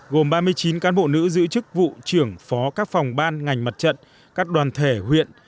gồm ba mươi chín cán bộ nữ giữ chức vụ trưởng phó các phòng ban ngành mặt trận các đoàn thể huyện